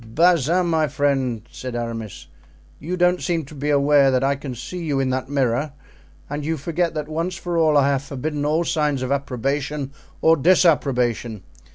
"Bazin, my friend," said Aramis, "you don't seem to be aware that I can see you in that mirror, and you forget that once for all I have forbidden all signs of approbation or disapprobation.